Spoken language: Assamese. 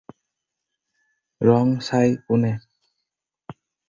ৰং চাই কোনে?